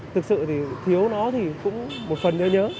thực sự thì thiếu nó thì cũng một phần nhớ